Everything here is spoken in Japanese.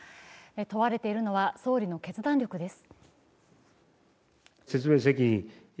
問われているのは総理の決断力です。